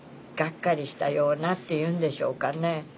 がっかりしたようなっていうんでしょうかね。